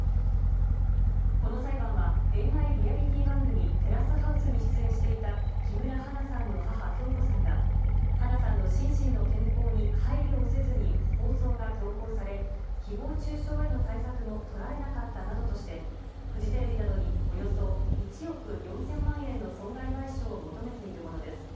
この裁判は恋愛リアリティー番組「テラスハウス」に出演していた木村花さんの母・響子さんが花さんの心身の健康に配慮をせずに放送が強行され誹謗中傷への対策もとられなかったなどとしてフジテレビなどにおよそ１億４０００万円の損害賠償を求めているものです。